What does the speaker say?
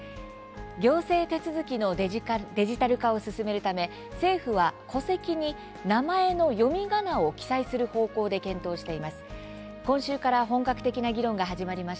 行政手続きのデジタル化を進めるため政府は戸籍に名前の読みがなを記載する方向で検討しています。